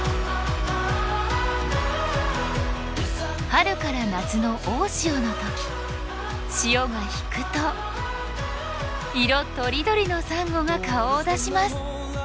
春から夏の大潮の時潮が引くと色とりどりのサンゴが顔を出します。